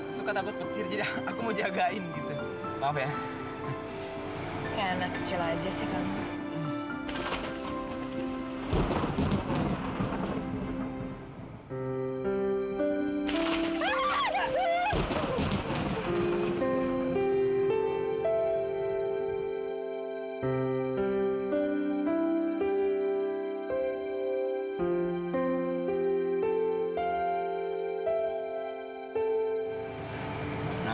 sampai jumpa di video selanjutnya